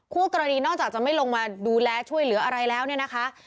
คู่กรณีนอกจากจะไม่ลงมาดูแลช่วยเหลืออะไรแล้วเนี่ยนะคะ